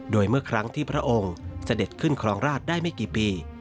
โดยเมื่อครั้งที่พระองค์เสด็จขึ้นครองราชได้ไม่กี่ปี